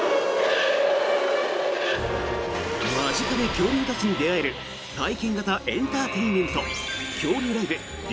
間近で恐竜たちに出会える体験型エンターテインメント恐竜ライブＤＩＮＯＳＡＦＡＲＩ